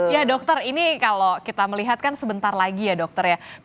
ya dokter ini kalau kita melihat kan sebentar lagi ya dokter ya